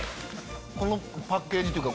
このパッケージっていうか